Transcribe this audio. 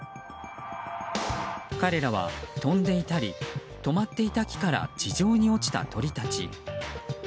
彼らは飛んでいたりとまっていた木から地上に落ちた鳥たち。